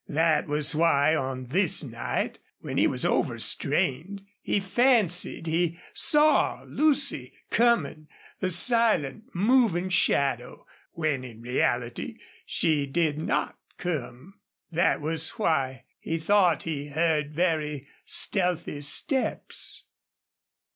That was why, on this night when he was overstrained, he fancied he saw Lucy coming, a silent, moving shadow, when in reality she did not come. That was why he thought he heard very stealthy steps.